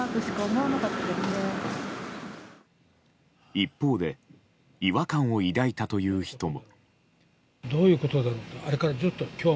一方で違和感を抱いたという人も。